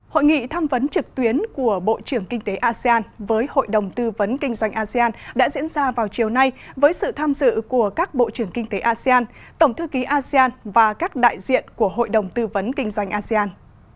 hội nghị tham vấn trực tuyến của bộ trưởng kinh tế asean với hội đồng tư vấn kinh doanh asean đã diễn ra vào chiều nay với sự tham dự của các bộ trưởng kinh tế asean tổng thư ký asean và các đại diện của hội đồng tư vấn kinh doanh asean